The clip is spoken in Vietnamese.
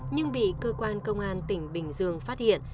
nhưng bị cơ quan công an tỉnh bình dương phát hiện